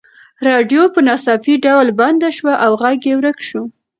راډیو په ناڅاپي ډول بنده شوه او غږ یې ورک شو.